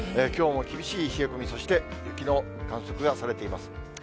きょうも厳しい冷え込み、そして雪の観測がされています。